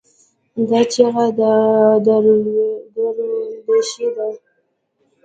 دا چیغه د دوراندیشۍ ده.